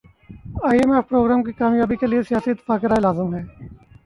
ائی M F program کی کامیابی کیلئے سیاسی اتفاق رائے لازم ہے